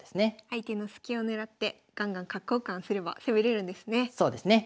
相手のスキを狙ってガンガン角交換すれば攻めれるんですね。